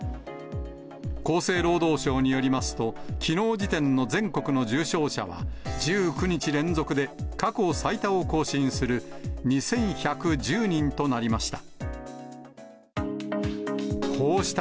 厚生労働省によりますと、きのう時点の全国の重症者は１９日連続で過去最多を更新する、２１１０人となりました。